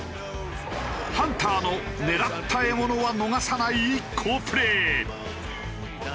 ハンターの狙った獲物は逃さない好プレー。